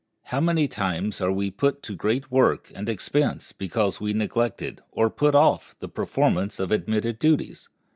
How many times are we put to great work and expense because we neglected, or put off, the performance of admitted duties!